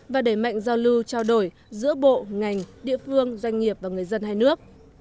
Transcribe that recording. và đẩy mạnh giao lưu trao đổi giữa bộ ngành địa phương doanh nghiệp và người dân hai nước